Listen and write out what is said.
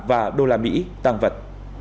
và đô la mỹ tăng vật